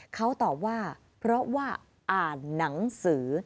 เขาตอบว่าเพราะว่าอ่านหนังสือ